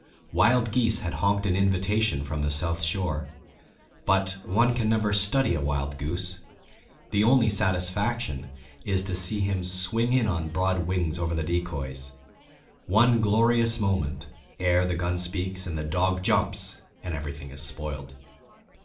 Wild geese had honked an invitation from the South Shore; but one can never study a wild goose; the only satisfaction is to see him swing in on broad wings over the decoys one glorious moment ere the gun speaks and the dog jumps and everything is spoiled.